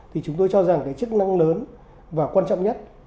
thì chúng tôi cho rằng cái chức năng lớn và quan trọng nhất